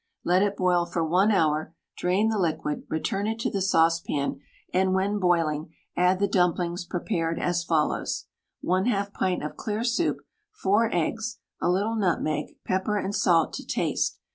Let it boil for I hour, drain the liquid, return it to the saucepan, and when boiling add the dumplings prepared as follows: 1/2 pint of clear soup, 4 eggs, a little nutmeg, pepper and salt to taste.